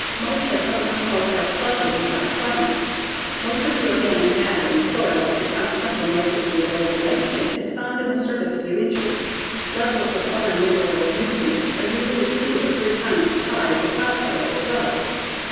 Mulch has some unqualified pluses in hotter climates. Most of the organic matter in soil and consequently most of the available nitrogen is found in the surface few inches. Levels of other mineral nutrients are usually two or three times as high in the topsoil as well.